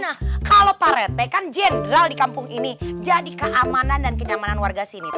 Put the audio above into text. nah kalau pak rete kan jenderal di kampung ini jadi keamanan dan kenyamanan warga sini